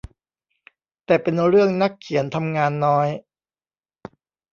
แต่เป็นเรื่องนักเขียนทำงานน้อย